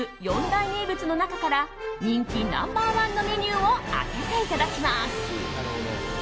大名物の中から人気ナンバー１のメニューを当てていただきます。